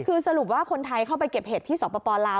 คือสรุปว่าคนไทยเข้าไปเก็บเห็ดที่สปลาว